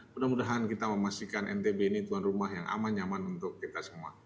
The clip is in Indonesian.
mudah mudahan kita memastikan ntb ini tuan rumah yang aman nyaman untuk kita semua